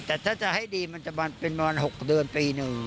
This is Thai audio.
แต่ถ้าจะให้ดีมันจะเป็นประมาณ๖เดือนปีหนึ่ง